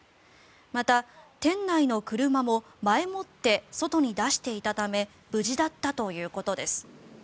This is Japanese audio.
また、店内の車も前もって外に出していたため無事だったということです。